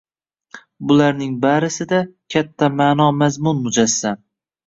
Bularning barisida katta ma’no-mazmun mujassam…